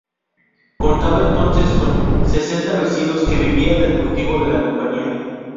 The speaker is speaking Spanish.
Contaba entonces con sesenta vecinos que vivía del cultivo de la campiña.